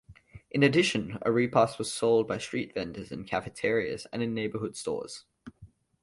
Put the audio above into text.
In addition, arepas are sold by street vendors, in cafeterias, and in neighborhood stores.